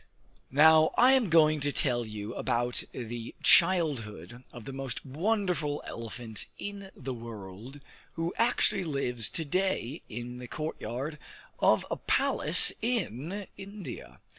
Now I am going to tell you about the childhood of the most wonderful elephant in the world, who actually lives to day in the courtyard of a palace in India.